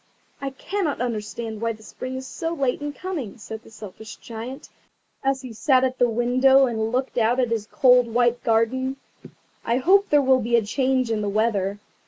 "I cannot understand why the Spring is so late in coming," said the Selfish Giant, as he sat at the window and looked out at his cold white garden; "I hope there will be a change in the weather."